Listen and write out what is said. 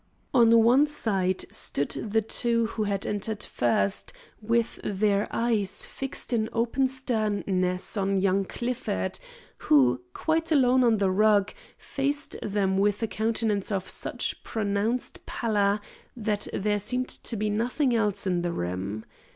On one side stood the two who had entered first, with their eyes fixed in open sternness on young Clifford, who, quite alone on the rug, faced them with a countenance of such pronounced pallor that there seemed to be nothing else in the room.